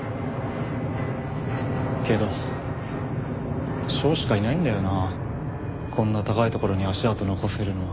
けど翔しかいないんだよなこんな高い所に足跡残せるのは。